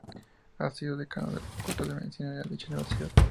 Ha sido Decano de la Facultad de Medicina de dicha universidad.